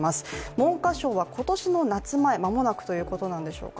文科省は今年の夏前、まもなくということなんでしょうか